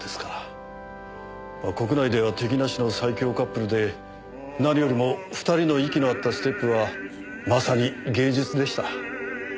国内では敵なしの最強カップルで何よりも２人の息の合ったステップはまさに芸術でした。